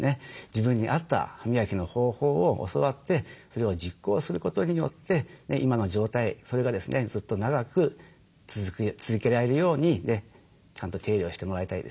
自分に合った歯磨きの方法を教わってそれを実行することによって今の状態それがですねずっと長く続けられるようにちゃんと手入れをしてもらいたいですね。